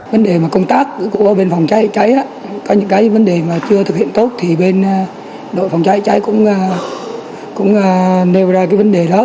vấn đề công tác của bên phòng cháy chữa cháy có những vấn đề chưa thực hiện tốt thì bên đội phòng cháy chữa cháy cũng nêu ra vấn đề đó